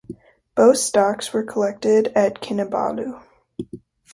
Both stocks were collected at Kinabalu.